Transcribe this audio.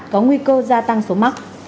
có nguy cơ gia tăng số mắc